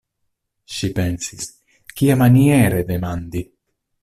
Ŝi pensis: kiamaniere demandi?